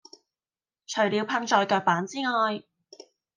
除了噴在腳板之外